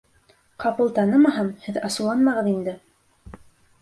Ҡапыл танымаһам, һеҙ асыуланмағыҙ инде...